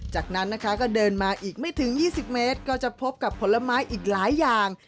จากนั้นนะคะก็เดินมาอีกไม่ถึง๒๐เมตรก็จะพบกับผลไม้อีกหลายอย่าง